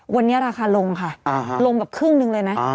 วันนี้ราคาลงค่ะลงกับครึ่งหนึ่งเลยนะ